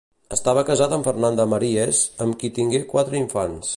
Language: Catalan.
Estava casat amb Fernanda Maríez, amb qui tingué quatre infants.